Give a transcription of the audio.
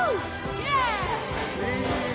イエイ！